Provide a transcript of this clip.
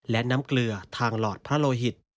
และน้ำเกลือทางหลอดพระโลหิต